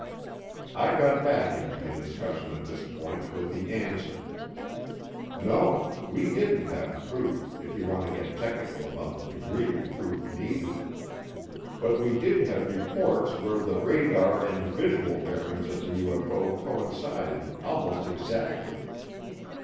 I got back into the discussion at this point with the answer. No, we didn't have proof if you want to get technical about the degree of proof needed. But we did have reports where the radar and visual bearings of the UFO coincided almost exactly.